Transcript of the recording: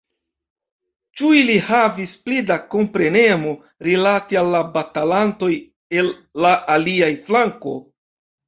Ĉu ili havis pli da komprenemo rilate al la batalantoj el la alia flanko?